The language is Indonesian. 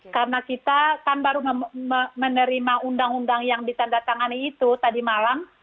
karena kita kan baru menerima undang undang yang ditandatangani itu tadi malam